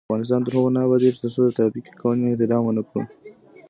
افغانستان تر هغو نه ابادیږي، ترڅو د ترافیکي قوانینو احترام ونکړو.